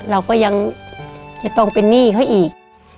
เราก็ยังจะต้องเป็นหนี้เขาอีก